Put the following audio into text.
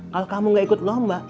kalau kamu gak ikut lomba